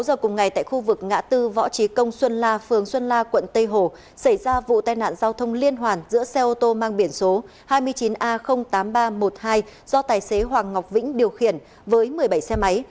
một mươi giờ cùng ngày tại khu vực ngã tư võ trí công xuân la phường xuân la quận tây hồ xảy ra vụ tai nạn giao thông liên hoàn giữa xe ô tô mang biển số hai mươi chín a tám nghìn ba trăm một mươi hai do tài xế hoàng ngọc vĩnh điều khiển với một mươi bảy xe máy